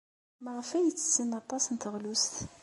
Maɣef ay ttessen aṭas n teɣlust?